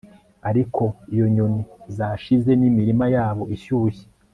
ariko iyo inyoni zashize, nimirima yabo ishyushye